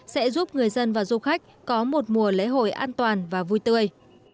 sẽ giúp người dân và du khách có một mùa lễ hội an toàn và vui tươi